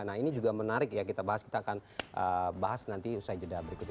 nah ini juga menarik ya kita bahas kita akan bahas nanti usai jeda berikut ini